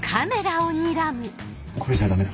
これじゃダメだ。